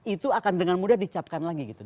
itu akan dengan mudah dicapkan lagi gitu